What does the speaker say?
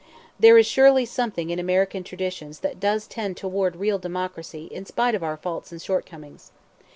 There is surely something in American traditions that does tend toward real democracy in spite of our faults and shortcomings.